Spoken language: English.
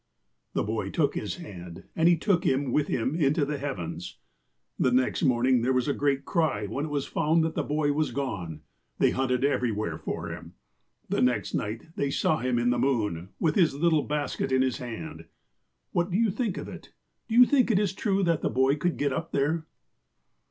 ''The boy took his hand, and he took him with him into the heavens. The next morning there was a great cry when it was found that the boy was gone. They hunted everywhere for him. The next night they saw him in the moon, with his little basket in his hand. What do you think of it ? Do you think it is true that the boy could get up there